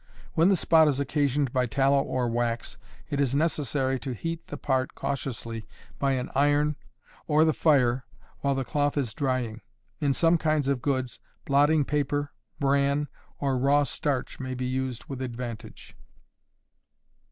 When the spot is occasioned by tallow or wax, it is necessary to heat the part cautiously by an iron or the fire while the cloth is drying. In some kinds of goods, blotting paper, bran, or raw starch, may be used with advantage.